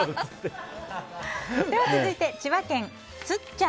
では続いて、千葉県の方。